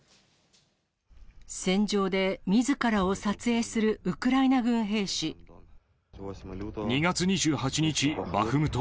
戦場でみずからを撮影するウ２月２８日、バフムト。